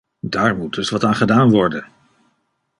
Daar moet dus wat aan gedaan worden.